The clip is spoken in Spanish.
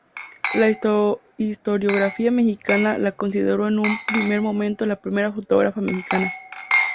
La historiografía mexicana la consideró en un primer momento la primera fotógrafa mexicana.